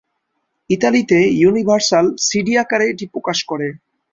ইতালিতে universal CD আকারে এটি প্রকাশ করে।